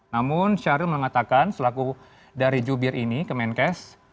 namun syahril mengatakan selaku dari jubir ini kemenkes